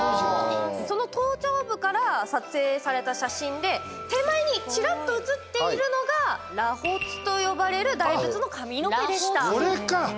その頭頂部から撮影された写真で手前にちらっと写っているのが螺髪と呼ばれる大仏の髪の毛でした。